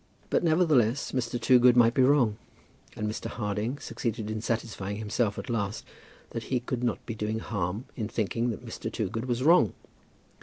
But, nevertheless, Mr. Toogood might be wrong; and Mr. Harding succeeded in satisfying himself at last that he could not be doing harm in thinking that Mr. Toogood was wrong.